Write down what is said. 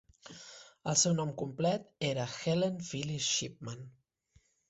El seu nom complet era Helen Phyllis Shipman.